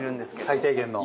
最低限の。